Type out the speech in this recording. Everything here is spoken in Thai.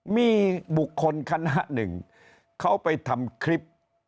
มีบุคคลคณะหนึ่งเขาไปทำคลิป